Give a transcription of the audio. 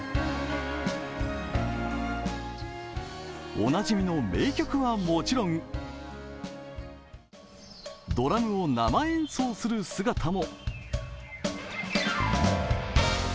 おなじみの名曲はもちろんドラムを生演奏する姿も。